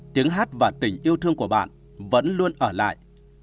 tiếng hát và tình yêu thương của bạn vẫn luôn ở lại